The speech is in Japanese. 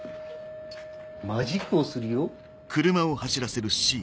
マジックをするよ。